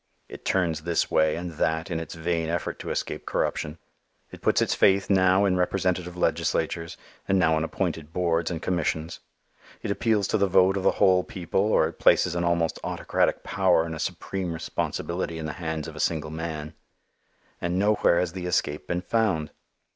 It turns this way and that in its vain effort to escape corruption. It puts its faith now in representative legislatures, and now in appointed boards and commissions; it appeals to the vote of the whole people or it places an almost autocratic power and a supreme responsibility in the hands of a single man. And nowhere has the escape been found.